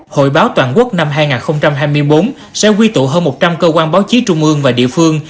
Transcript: hội báo toàn quốc năm hai nghìn hai mươi bốn sẽ quy tụ hơn một trăm linh cơ quan báo chí trung ương và địa phương